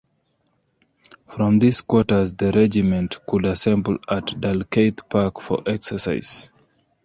From these quarters the regiment could assemble at Dalkeith Park for exercises.